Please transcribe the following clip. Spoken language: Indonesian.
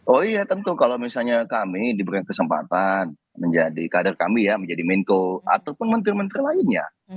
oh iya tentu kalau misalnya kami diberikan kesempatan menjadi kader kami ya menjadi menko ataupun menteri menteri lainnya